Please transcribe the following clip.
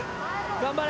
・頑張れ！